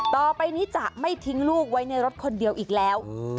ต่อไปนี้จะไม่ทิ้งลูกไว้ในรถคนเดียวอีกแล้ว